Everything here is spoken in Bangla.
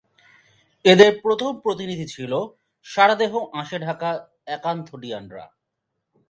এদের প্রথম প্রতিনিধি ছিল সারা দেহ আঁশে ঢাকা অ্যাকান্থোডিয়ান-রা।